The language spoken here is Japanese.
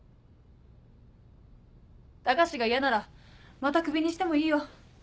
高志が嫌ならまたクビにしてもいいよ。